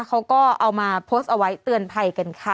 เขาก็เอามาโพสต์เอาไว้เตือนภัยกันค่ะ